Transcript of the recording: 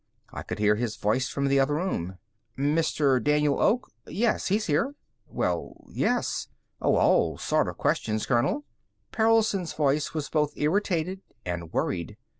I could hear his voice from the other room. "Mr. Daniel Oak? Yes; he's here. Well, yes. Oh, all sorts of questions, colonel." Perelson's voice was both irritated and worried.